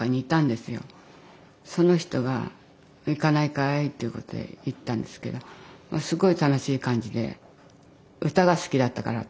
その人が行かないかい？ということで行ったんですけどすごい楽しい感じで歌が好きだったから私もね